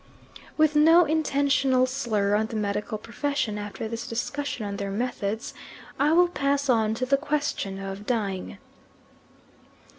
With no intentional slur on the medical profession, after this discussion on their methods I will pass on to the question of dying.